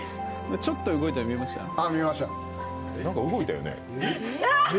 ちょっと動いたの見えました？